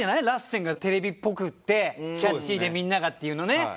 ラッセンがテレビっぽくってキャッチーでみんながっていうのね。